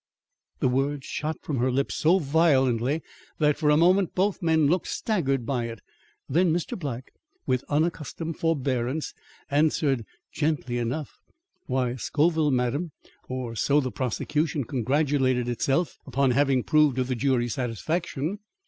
The word shot from her lips so violently that for a moment both men looked staggered by it. Then Mr. Black, with unaccustomed forbearance, answered gently enough: "Why, Scoville, madam; or so the prosecution congratulated itself upon having proved to the jury's satisfaction.